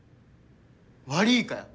悪いかよ！